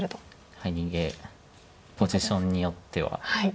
はいポジションによっては。